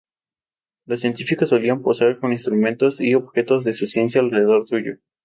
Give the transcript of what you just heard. Los científicos solían posar con instrumentos y objetos de su ciencia alrededor suyo.